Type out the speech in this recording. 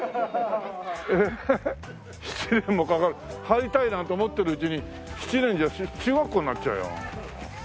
入りたいなんて思ってるうちに７年じゃ中学校になっちゃうよ。